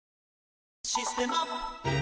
「システマ」